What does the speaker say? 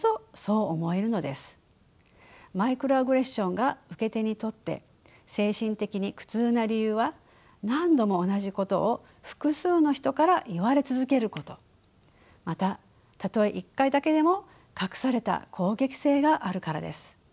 マイクロアグレッションが受け手にとって精神的に苦痛な理由は何度も同じことを複数の人から言われ続けることまたたとえ一回だけでも隠された攻撃性があるからです。